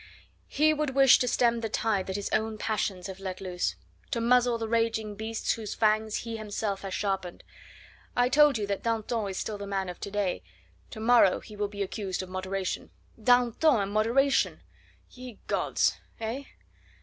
He would wish to stem the tide that his own passions have let loose; to muzzle the raging beasts whose fangs he himself has sharpened. I told you that Danton is still the man of to day; to morrow he will be accused of moderation. Danton and moderation! ye gods! Eh?